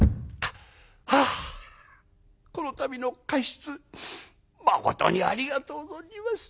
「はあこの度の加筆まことにありがとう存じます。